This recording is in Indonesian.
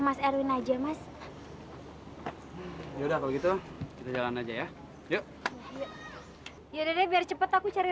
mas erwin aja mas yaudah kalau gitu kita jalan aja ya yuk yaudah deh biar cepet aku cari